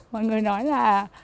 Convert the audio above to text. mọi người nói là